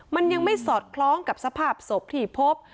มันยังไม่สอดคล้องกับสภาพศพที่พบ